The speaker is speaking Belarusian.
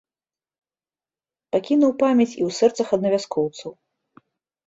Пакінуў памяць і ў сэрцах аднавяскоўцаў.